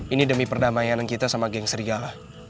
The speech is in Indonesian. ini demi perdamaian kita sama geng serigala